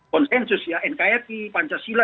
konsensus ya nkri pancasila